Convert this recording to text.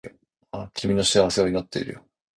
君の幸せを祈っているよ